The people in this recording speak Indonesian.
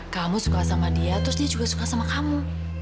kamu suka sama dia terus dia juga suka sama kamu